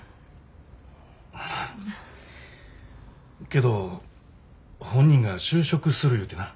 けど本人が就職する言うてな。